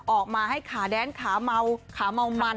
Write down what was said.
ออกมาให้ขาแดนขาเมาขาเมามัน